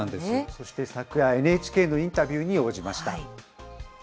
そして昨夜、ＮＨＫのインタビューに応じました。